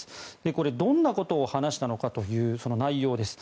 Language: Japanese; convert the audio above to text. これどんなことを話したのかという内容です。